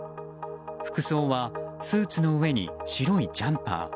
服装はスーツの上に白いジャンパー。